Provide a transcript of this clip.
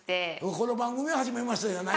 この番組はじめましてじゃない。